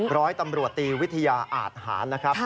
ร้อยตำรวจตีวิทยาอาทหารนะครับ